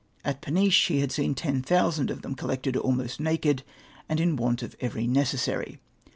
At Peniche he had seen ten thousand of them collected, almost naked, and in want of every necessary.